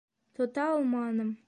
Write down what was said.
Тота алманым.